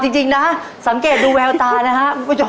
จริงนะฮะสังเกตดูแววตานะฮะ